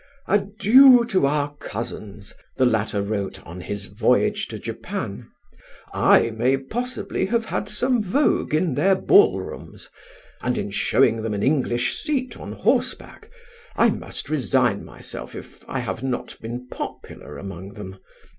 "Adieu to our cousins!" the latter wrote on his voyage to Japan. "I may possibly have had some vogue in their ball rooms, and in showing them an English seat on horseback: I must resign myself if I have not been popular among them.